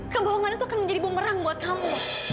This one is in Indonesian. kebohongan itu akan menjadi bumerang buat kamu